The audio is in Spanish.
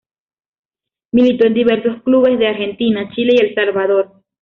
Militó en diversos clubes de Argentina, Chile y El Salvador.